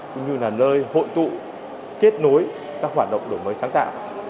cũng như là nơi hội tụ kết nối các hoạt động đổi mới sáng tạo